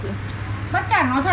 cả hai này cả hai